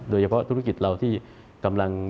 โดยเฉพาะธุรกิจเราที่มีแนวน้ำเติบโต